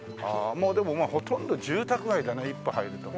もうでもほとんど住宅街だね一歩入るとね。